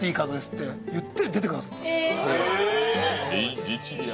って言って出てくださったんですえっ